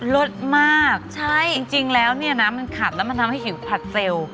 รสมากใช่จริงแล้วเนี่ยนะมันขัดแล้วมันทำให้หิวผัดเซลล์